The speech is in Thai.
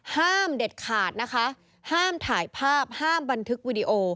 ห้ามเด็ดขาดนะคะห้ามถ่ายภาพห้ามบันทึกวิดีโอ